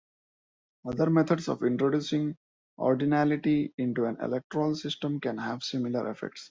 Other methods of introducing ordinality into an electoral system can have similar effects.